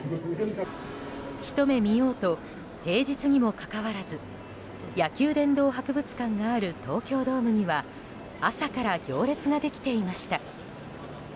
ひと目見ようと平日にもかかわらず野球殿堂博物館のある東京ドームには朝から行列ができていました。